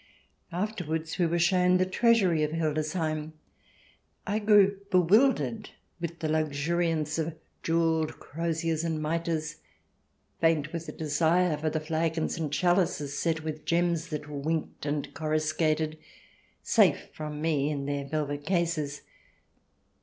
Afterwards we were shown the treasury of Hilde sheim. I grew bewildered with the luxuriance of jewelled croziers and mitres, faint with desire for flagons and chalices set with gems that winked and coruscated, safe from me in their velvet cases.